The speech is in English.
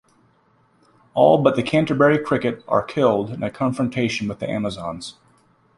All but the Canterbury Cricket are killed in a confrontation with the Amazons.